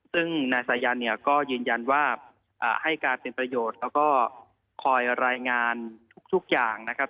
ซึ่งนายสายันเนี่ยก็ยืนยันว่าให้การเป็นประโยชน์แล้วก็คอยรายงานทุกอย่างนะครับ